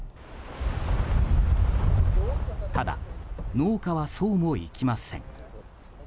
ただ、農家はそうもいきません。